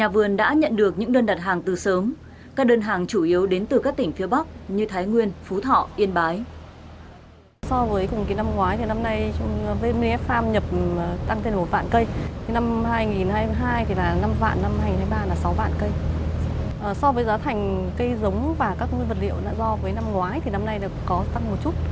và đương nhiên nó sẽ dẫn đến giá thành nó sẽ bị tăng hơn